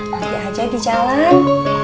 nanti aja di jalan